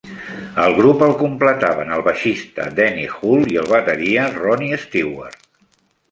El grup el completaven el baixista Danny Hull i el bateria Ronnie Stewart.